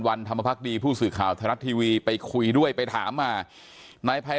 วันธรรมภักดีผู้สื่อข่าวไทยรัฐทีวีไปคุยด้วยไปถามมานายภัย